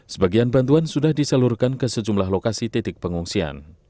sebagian bantuan sudah disalurkan ke sejumlah lokasi titik pengungsian